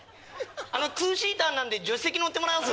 あのツーシーターなんで助手席乗ってもらえます？